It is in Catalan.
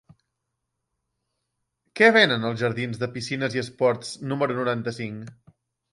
Què venen als jardins de Piscines i Esports número noranta-cinc?